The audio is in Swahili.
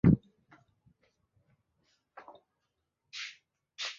katika maeneo ya Mpwapwa na Dodoma mwaka